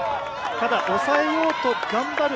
ただ抑えようと頑張る